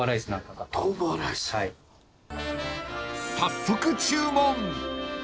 ［早速注文］